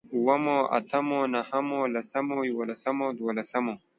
اوومو، اتمو، نهمو، لسمو، يوولسمو، دوولسمو